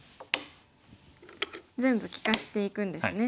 全部利かしていくんですね。